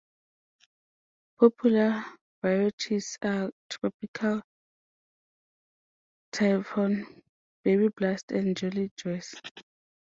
Popular varieties are Tropical Typhoon, Berry Blast and Jolly Joes.